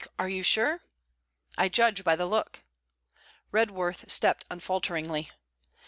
are you sure?' 'I judge by the look.' Redworth stepped unfalteringly.